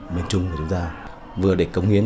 miền trung của chúng ta vừa để cống hiến